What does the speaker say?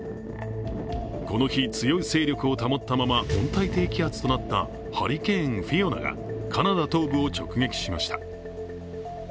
この日、強い勢力を保ったまま温帯低気圧となったハリケーン、フィオナがカナダ東部を直撃しました。